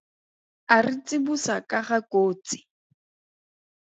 A re tsibosa ka ga kotsi.